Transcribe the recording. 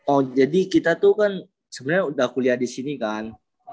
oh jadi kita tuh kan sebenarnya udah kuliah di sini kan